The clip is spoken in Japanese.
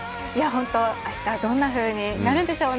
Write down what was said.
あしたどんなふうになるんでしょう。